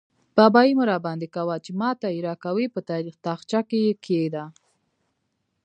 بابايي مه راباندې کوه؛ چې ما ته يې راکوې - په تاخچه کې يې کېږده.